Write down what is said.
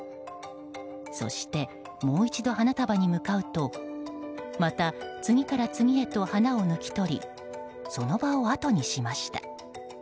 そして、もう一度花束に向かうとまた、次から次へと花を抜き取りその場をあとにしました。